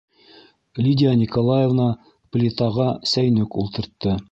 - Лидия Николаевна плитаға сәйнүк ултыртты.